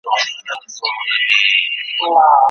لمر ته ګرځېدل رواني روغتیا پیاوړې کوي.